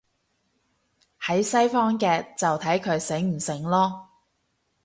喺西方嘅，就睇佢醒唔醒囉